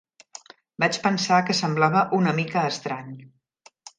Vaig pensar que semblava una mica estrany.